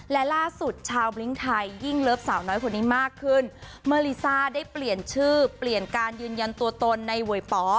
เมื่อลิซ่าได้เปลี่ยนชื่อเปลี่ยนการยืนยันตัวตนในโหยป๋อ